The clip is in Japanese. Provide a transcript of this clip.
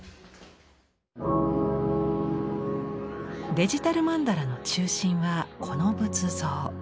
デジタル曼荼羅の中心はこの仏像。